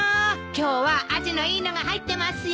今日はアジのいいのが入ってますよ。